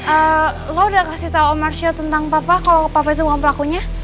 eh lo udah kasih tau om arsya tentang papa kalau papa itu bukan pelakunya